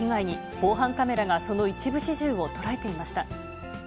防犯カメラがその一部始終を捉えていました。